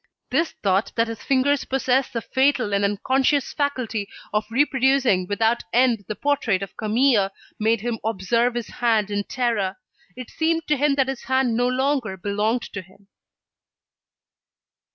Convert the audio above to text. This thought that his fingers possessed the fatal and unconscious faculty of reproducing without end the portrait of Camille, made him observe his hand in terror. It seemed to him that his hand no longer belonged to him.